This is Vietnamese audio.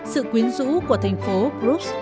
sự quyến rũ của thành phố bruges